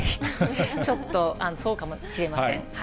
ちょっとそうかもしれません。